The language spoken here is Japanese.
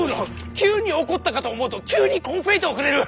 急に怒ったかと思うと急にコンフェイトをくれる。